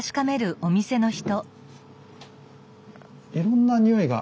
いろんなにおいが。